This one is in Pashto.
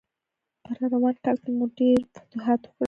په راروان کال کې مو ډېر فتوحات وکړل.